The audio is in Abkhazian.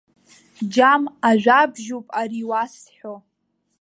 Џьам ажәабжьуп ари иуасҳәо.